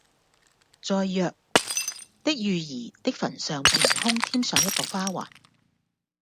在《藥》的瑜兒的墳上平空添上一個花環，